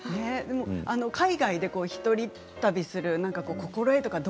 海外で一人旅する心得とかは